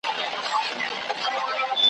څه ګل غونډۍ وه څه بهارونه `